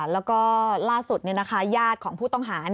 แล้วก็ล่าสุดญาติของผู้ต้องหา